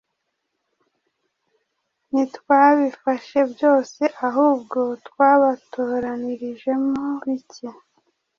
ntitwabifashe byose ahubwo twabatoranirijemo bicye